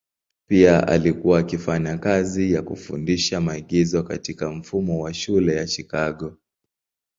Pia alikuwa akifanya kazi ya kufundisha maigizo katika mfumo wa shule ya Chicago.